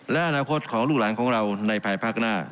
และอนาคตของลูกหลานของเราในภายภาคหน้า